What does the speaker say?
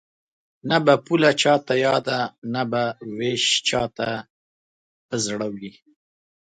نه به پوله چاته یاده نه به وېش چاته په زړه وي